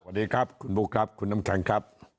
สวัสดีครับคุณบุ๊คครับคุณน้ำแข็งครับ